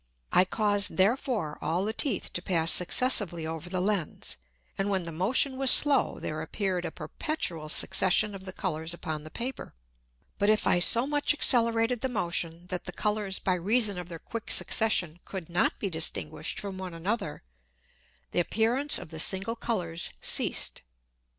I caused therefore all the Teeth to pass successively over the Lens, and when the Motion was slow, there appeared a perpetual Succession of the Colours upon the Paper: But if I so much accelerated the Motion, that the Colours by reason of their quick Succession could not be distinguished from one another, the Appearance of the single Colours ceased.